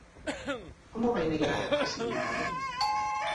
¿Como vai mellorar a accesibilidade?